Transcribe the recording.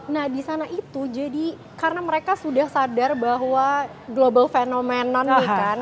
nah di sana itu jadi karena mereka sudah sadar bahwa global fenomena nih kan